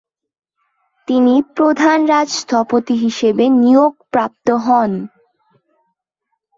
তিনি প্রধান রাজ স্থপতি হিসেবে নিয়োগপ্রাপ্ত হন।